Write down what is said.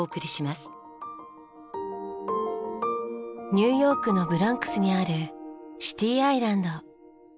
ニューヨークのブロンクスにあるシティアイランド。